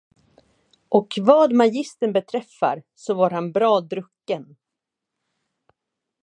Och vad magistern beträffar, så var han bra drucken.